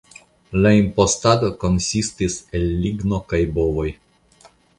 La impostado konsistis el ligno kaj bovoj.